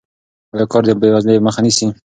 آیا کار د بې وزلۍ مخه نیسي؟